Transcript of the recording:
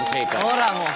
ほらもう！